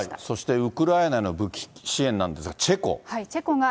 そして、ウクライナへの武器支援なんですが、チェコ。